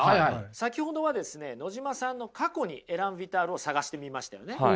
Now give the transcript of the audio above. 先ほどはですね野島さんの過去にエラン・ヴィタールを探してみましたよね。